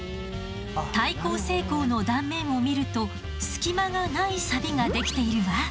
耐候性鋼の断面を見ると隙間がないサビができているわ。